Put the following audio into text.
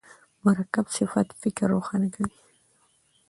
مرکب صفت فکر روښانه کوي.